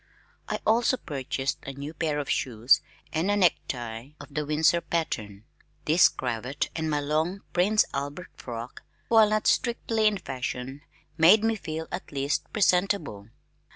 I also purchased a new pair of shoes and a necktie of the Windsor pattern. This cravat and my long Prince Albert frock, while not strictly in fashion, made me feel at least presentable.